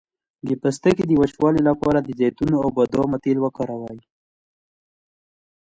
د پوستکي د وچیدو لپاره د زیتون او بادام تېل وکاروئ